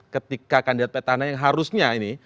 ketika kandidat petahana yang harusnya ini